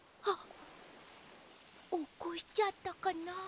あっおこしちゃったかな。